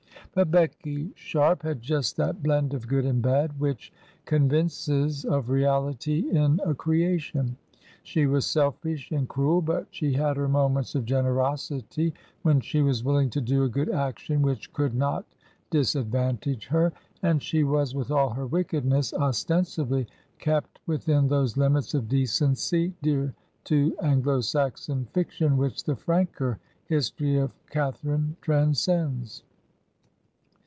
But Becky Sharp had just that blend of good and bad which convinces of reality in a creation; she was selfish and cruel, but she had her moments of generosity when she was willing to do a good action which could not disadvantage her, and she was, with all her wickedness, ostensibly kept within those limits of decency dear to Anglo Saxon fiction which the franker history of Cath arine transcends.